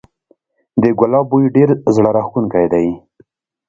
د ګلاب بوی ډیر زړه راښکونکی دی